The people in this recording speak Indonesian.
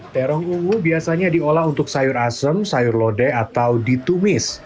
terong ungu biasanya diolah untuk sayur asem sayur lode atau ditumis